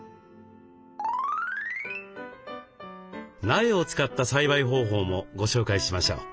苗を使った栽培方法もご紹介しましょう。